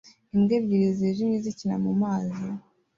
Imbwa ebyiri zijimye zikina mumazi